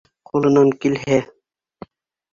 Ҡулынан килһә...